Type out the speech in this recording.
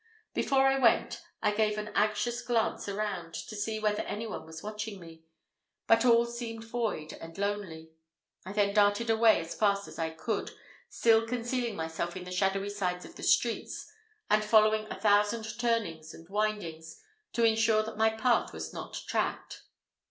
Before I went, I gave an anxious glance around to see whether any one was watching me, but all seemed void and lonely. I then darted away as fast as I could, still concealing myself in the shadowy sides of the streets, and following a thousand turnings and windings to insure that my path was not tracked.